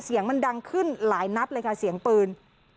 เสียงมันดังขึ้นหลายนัดเลยค่ะเสียงปืน